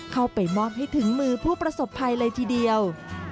เข้าไปมอบให้ถึงมือผู้ประสบภัยเลยทีเดียว